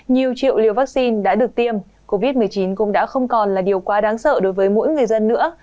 nhiều triệu liều vaccine đã được tiêm covid một mươi chín cũng đã không còn là điều quá đáng sợ đối với mỗi người dân nữa